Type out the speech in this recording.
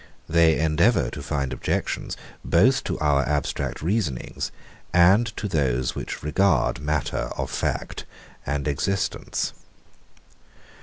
They endeavour to find objections, both to our abstract reasonings, and to those which regard matter of fact and existence.